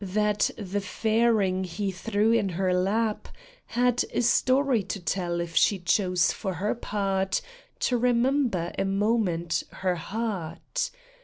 That the fairing he threw in her lap, Had a story to tell if she chose for her part To remember a moment her heart.